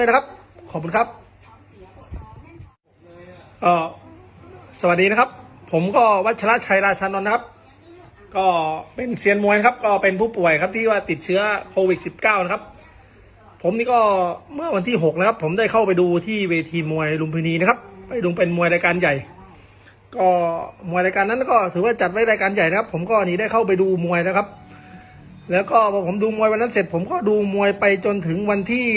ก็สวัสดีนะครับผมก็วัชลัดชายราชนลนะครับก็เป็นเซียนมวยนะครับก็เป็นผู้ป่วยครับที่ว่าติดเชื้อโควิดสิบเก้านะครับผมนี่ก็เมื่อวันที่หกนะครับผมได้เข้าไปดูที่เวทีมวยรุมพิวนีนะครับไปดูเป็นมวยรายการใหญ่ก็มวยรายการนั้นก็ถือว่าจัดไว้รายการใหญ่นะครับผมก็หนีได้เข้าไปดูมวยนะครับแล้วก็พอผมดูมวยว